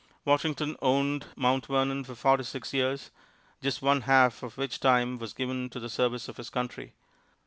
Washington owned Mount Vernon for forty six years, just one half of which time was given to the service of his country.